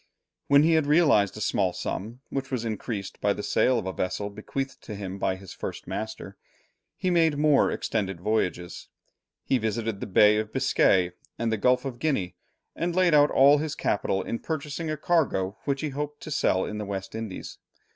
When he had realized a small sum, which was increased by the sale of a vessel bequeathed to him by his first master, he made more extended voyages; he visited the Bay of Biscay and the Gulf of Guinea, and laid out all his capital in purchasing a cargo which he hoped to sell in the West Indies.